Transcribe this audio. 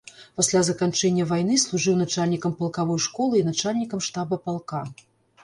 Пасля заканчэння вайны служыў начальнікам палкавой школы і начальнікам штаба палка.